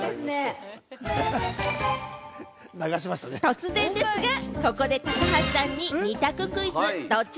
突然ですが、ここで高橋さんに二択クイズ、ドッチ？